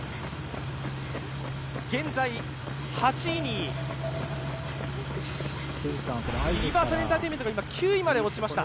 現在、ユニバーサルエンターテインメントが９位まで落ちました。